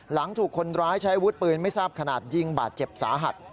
หลังถูกคนร้ายใช้อาวุธปืนไม่ทราบขนาดยิงบาดเจ็บสาหัส